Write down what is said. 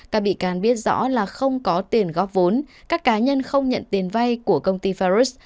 các bị can biết rõ là không có tiền góp vốn các cá nhân không nhận tiền vay của công ty farus